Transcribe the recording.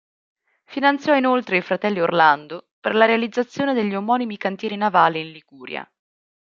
Finanziò inoltre i fratelli Orlando per la realizzazione degli omonimi cantieri navali in Liguria.